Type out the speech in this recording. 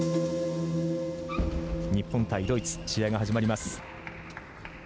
日本対ドイツ試合が始まります。